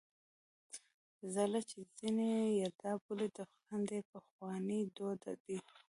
څِله چې ځيني يې یلدا بولي د افغانستان ډېر پخوانی دود دی.